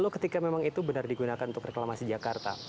ketika memang itu benar digunakan untuk reklamasi jakarta